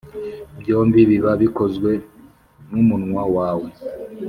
byombi biba bikozwe n’umunwa wawe.